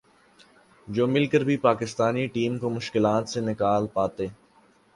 جو مل کر بھی پاکستانی ٹیم کو مشکلات سے نہیں نکال پاتے